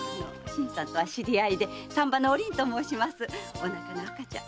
お腹の赤ちゃん